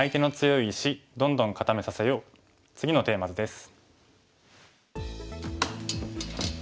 次のテーマ図です。